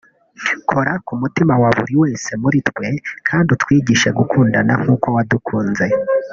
kora ku mutima wa buri wese muri twe kandi utwigishe gukundana nk’uko wadukunze